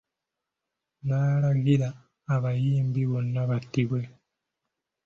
N'alagira abayimbi bonna battibwe.